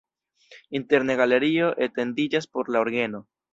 Interne galerio etendiĝas por la orgeno.